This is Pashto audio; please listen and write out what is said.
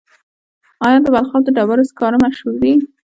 آیا د بلخاب د ډبرو سکاره مشهور دي؟